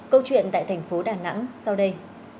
câu chuyện tại thành phố đà nẵng sau đây